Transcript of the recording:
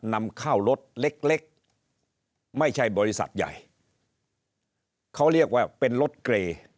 นำเข้ารถเล็กเล็กไม่ใช่บริษัทใหญ่เขาเรียกว่าเป็นรถเกร